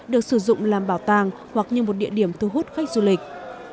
được sử dụng làm bảo tàng hoặc như một địa điểm thu hút khách du lịch